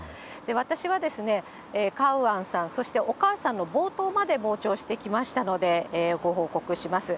私はですね、カウアンさん、そしてお母さんの冒頭まで傍聴してきましたので、ご報告します。